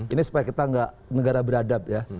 ini supaya kita nggak negara beradab ya